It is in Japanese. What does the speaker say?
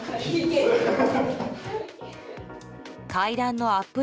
階段のアップ